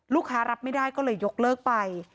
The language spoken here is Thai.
ลูกค้ารับไม่ได้ก็เลยยกเลิกไป